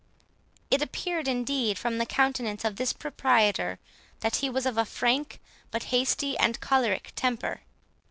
It appeared, indeed, from the countenance of this proprietor, that he was of a frank, but hasty and choleric temper.